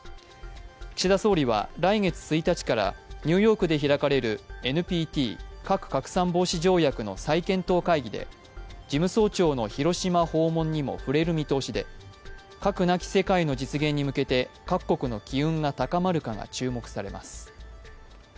岸田総理は来月１日からニューヨークで開かれるＮＰＴ＝核拡散防止条約の再検討会議で事務総長の広島訪問にも触れる見通しで核なき世界の実現に向けて各国の機運が高まるかが注目されます。